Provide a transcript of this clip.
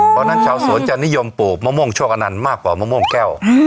เพราะฉะนั้นชาวสวนจะนิยมปลูกมะม่วงโชคอนันต์มากกว่ามะม่วงแก้ว